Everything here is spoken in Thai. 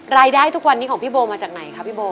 รายได้ทุกวันนี้ของพี่โบมาจากไหนคะพี่โบ